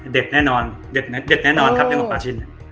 แน่นอนเด็ดแน่นอนครับเรื่องของปลาชิน